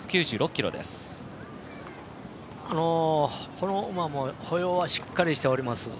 この馬も歩様はしっかりしております。